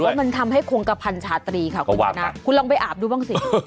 เขาบอกว่ามันทำให้โครงกระพันธ์ชาตรีค่ะคุณคุณคุณลองไปอาบดูบ้างสิ